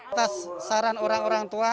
atas saran orang orang tua